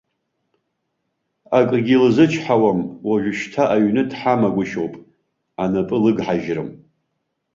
Акгьы лзычҳауам, уажәшьҭа аҩны дҳамагәышьоуп, анапы лыгҳажьрым!